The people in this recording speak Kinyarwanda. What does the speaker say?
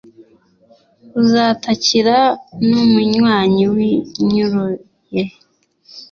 uzatakira n’umunywanyi winyuruye,